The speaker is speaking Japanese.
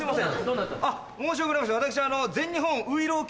あっ申し遅れました私。